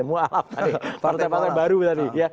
mu'alaf tadi partai partai baru tadi